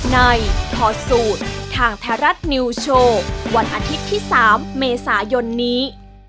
ถอดสูตรทางไทยรัฐนิวโชว์วันอาทิตย์ที่๓เมษายนนี้